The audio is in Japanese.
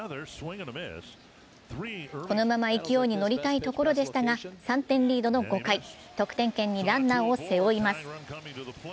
このまま勢いに乗りたいところでしたが、３点リードの５回、得点圏にランナーを背負います。